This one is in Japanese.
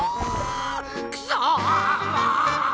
くそ！